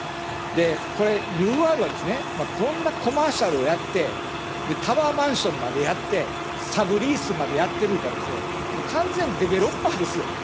で、これ、ＵＲはですね、こんなコマーシャルをやって、タワーマンションまでやって、サブリースまでやってるっていうたらですね、完全、デベロッパーですよ。